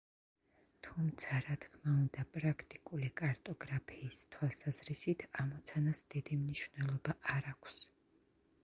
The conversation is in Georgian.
თუმცა, რა თქმა უნდა, პრაქტიკული კარტოგრაფიის თვალსაზრისით ამოცანას დიდი მნიშვნელობა არ აქვს.